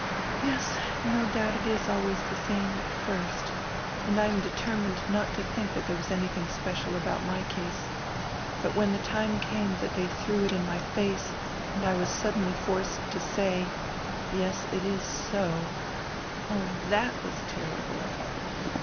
"Yes, no doubt it is always die same at first, and I am determined not to think that there was anything special about my case. But when die time came that they threw it into my face and I was suddenly forced to say: 'y es > it is so,' oh, tliatwas terrible.